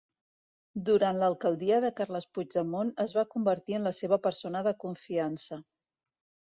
Durant l'alcaldia de Carles Puigdemont es va convertir en la seva persona de confiança.